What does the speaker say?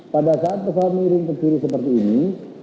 pada saat pesawat miring ke kiri seperti ini